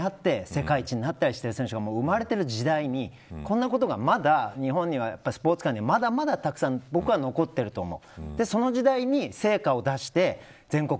楽しくて、みんなで技術を高め合って世界一になったりする選手が生まれている時代にこんなことがまだ日本にはスポーツ界にはまだまだたくさん僕は残っていると思う。